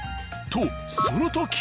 とその時。